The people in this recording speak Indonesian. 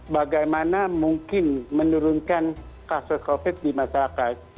bagaimana mungkin menurunkan kasus covid di masyarakat